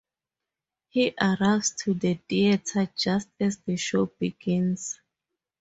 He arrives to the theater just as the show begins.